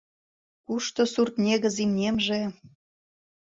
Кушто сурт негыз имнемже?